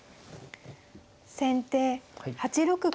先手８六角。